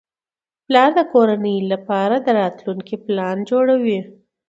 پلار د کورنۍ لپاره د راتلونکي پلان جوړوي